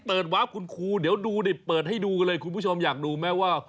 วาฟคุณครูเดี๋ยวดูดิเปิดให้ดูกันเลยคุณผู้ชมอยากดูไหมว่า